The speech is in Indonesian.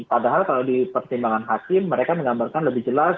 padahal kalau di pertimbangan hakim mereka menggambarkan lebih jelas